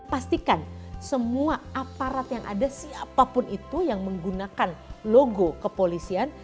pastikan semua aparat yang ada siapapun itu yang menggunakan logo kepolisian